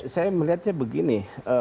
saya melihatnya begini